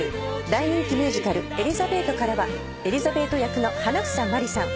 大人気ミュージカル『エリザベート』からはエリザベート役の花總まりさん